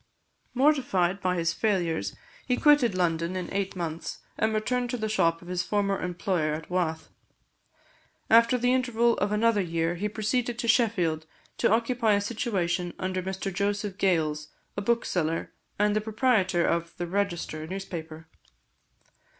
Mortified by his failures, he quitted London in eight months, and returned to the shop of his former employer at Wath. After the interval of another year, he proceeded to Sheffield, to occupy a situation under Mr Joseph Gales, a bookseller, and the proprietor of the Register newspaper.